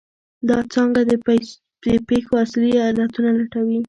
دا څانګه د پېښو اصلي علتونه لټوي.